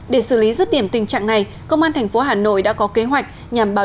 để xử lý rứt điểm tình trạng này công an thành phố hà nội đã có kế hoạch nhằm bảo đảm